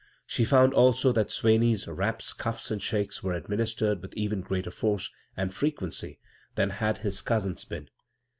She found, also, that Swaney's raps, cuffs, and sliakes were administered with even greater force and frequency tiian had his cousin's been.